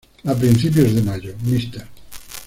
A principios de mayo, "Mr.